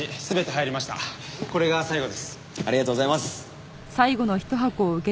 ありがとうございます。